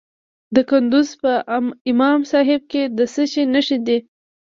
د کندز په امام صاحب کې د څه شي نښې دي؟